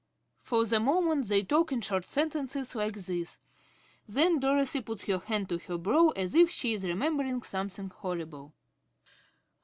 (For the moment they talk in short sentences like this. Then Dorothy _puts her hand to her brow as if she is remembering something horrible.